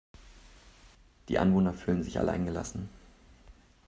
Die Anwohner fühlen sich allein gelassen.